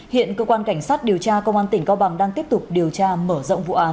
hiện cơ quan cảnh sát điều tra công an tỉnh cao bằng đang tiếp tục điều tra mở rộng vụ án